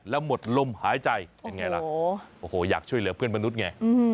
แล้วหมดลมหายใจเป็นไงล่ะโอ้โหอยากช่วยเหลือเพื่อนมนุษย์ไง